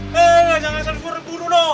hei jangan selalu burung burung no